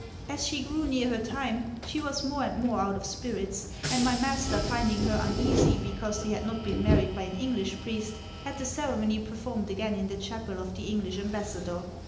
As she grew near her time, she was more and more out of spirits, and my master finding her uneasy because they had not been married by an English priest, had the ceremony performed again in the chapel of the English Ambassador.